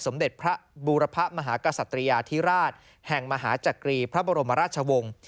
เด็จพระบูรพะมหากษัตริยาธิราชแห่งมหาจักรีพระบรมราชวงศ์